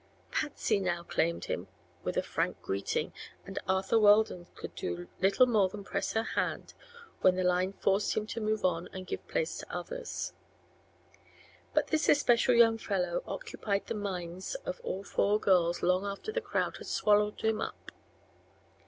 Patsy now claimed him, with a frank greeting, and Arthur Weldon could do little more than press her hand when the line forced him to move on and give place to others. But this especial young fellow occupied the minds of all four girls long after the crowd had swallowed him up.